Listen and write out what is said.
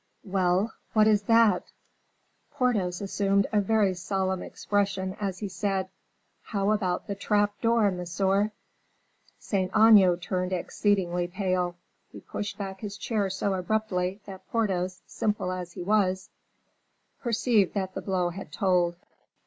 "Well, what is that?" Porthos assumed a very solemn expression as he said: "How about the trap door, monsieur?" Saint Aignan turned exceedingly pale. He pushed back his chair so abruptly, that Porthos, simple as he was, perceived that the blow had told.